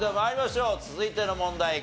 続いての問題。